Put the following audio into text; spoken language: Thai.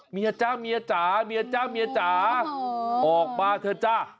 เมียจ๋าออกมาเถอะจ้ะ